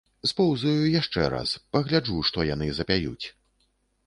Споўзаю яшчэ раз, пагляджу, што яны запяюць.